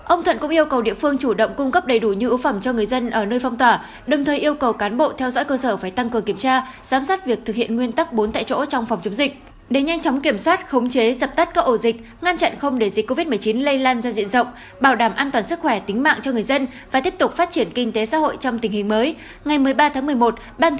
ông thuận cũng yêu cầu địa phương chủ động cung cấp đầy đủ như ưu phẩm cho người dân ở nơi phong tỏa đồng thời yêu cầu cán bộ theo dõi cơ sở phải tăng cường kiểm tra giám sát việc thực hiện nguyên tắc bốn tại chỗ trong phòng chống dịch để nhanh chóng kiểm soát khống chế dập tắt các ổ dịch ngăn chặn không để dịch covid một mươi chín lây lan ra diện rộng bảo đảm an toàn sức khỏe tính mạng cho người dân và tiếp tục phát triển kinh tế xã hội trong tình hình mới